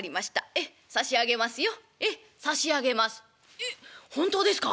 「えっ本当ですか！？